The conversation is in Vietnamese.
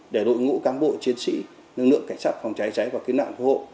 để đội ngũ cán bộ chiến sĩ lực lượng cảnh sát phòng cháy chữa cháy và kiếm nản hộ